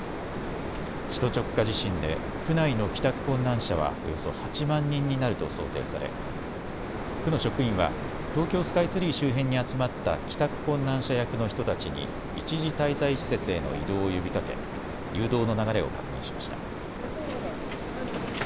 首都直下地震で区内の帰宅困難者は、およそ８万人になると想定され区の職員は東京スカイツリー周辺に集まった帰宅困難者役の人たちに一時滞在施設への移動を呼びかけ誘導の流れを確認しました。